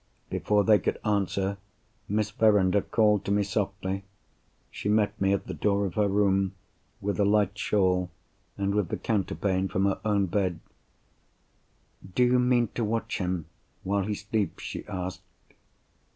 Before they could answer, Miss Verinder called to me softly. She met me at the door of her room, with a light shawl, and with the counterpane from her own bed. "Do you mean to watch him while he sleeps?" she asked.